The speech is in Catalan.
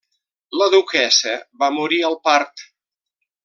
La duquessa va morir al part.